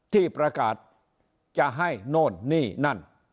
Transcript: ที่ประกาศจะให้โน่นนี่นั่น